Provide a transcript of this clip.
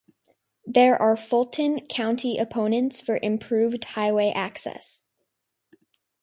There are Fulton county opponents for improved highway access.